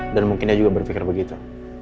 dan mungkin dia juga berpikir begitu